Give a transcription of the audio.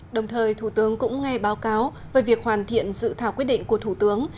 đồng thời thủ tướng cũng nghe báo cáo về việc hoàn thiện dự thảo quyết định của thủ tướng